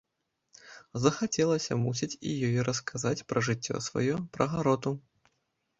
Захацелася, мусіць, і ёй расказаць пра жыццё сваё, пра гароту.